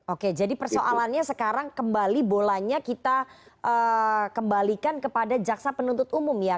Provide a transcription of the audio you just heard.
oke jadi persoalannya sekarang kembali bolanya kita kembalikan kepada jaksa penuntut umum ya